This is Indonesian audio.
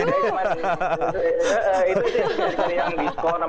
daripada semua rahasianya keluar semua